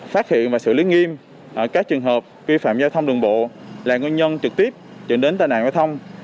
phát hiện và xử lý nghiêm các trường hợp vi phạm giao thông đường bộ là nguyên nhân trực tiếp dẫn đến tai nạn giao thông